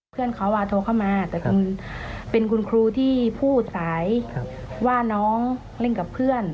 เพื่อนเขาโทรเข้ามาแต่คุณเป็นคุณครูที่พูดสายว่าน้องเล่นกับเพื่อน